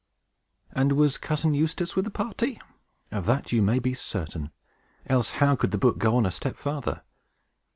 And was Cousin Eustace with the party? Of that you may be certain; else how could the book go on a step farther?